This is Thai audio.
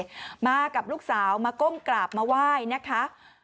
พญานคราชเก้ากับลูกสาวมาก้มกราบมาว่ายนะคะ